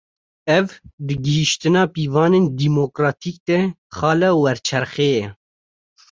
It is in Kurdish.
Ev, di gihîştina pîvanên demokratîk de, xala werçerxê ye